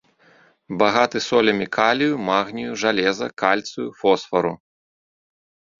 Багаты солямі калію, магнію, жалеза, кальцыю, фосфару.